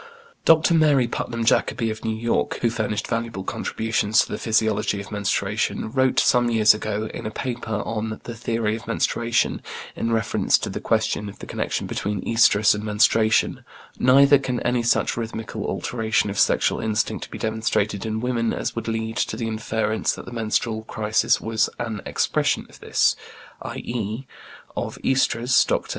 Dr. Mary Putnam Jacobi, of New York, who furnished valuable contributions to the physiology of menstruation, wrote some years ago, in a paper on "The Theory of Menstruation," in reference to the question of the connection between oestrus and menstruation: "Neither can any such rhythmical alternation of sexual instinct be demonstrated in women as would lead to the inference that the menstrual crisis was an expression of this," i.e., of oestrus. Dr.